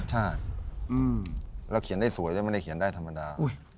ใช่เราเขียนได้สวยไม่ได้เขียนได้ธรรมดา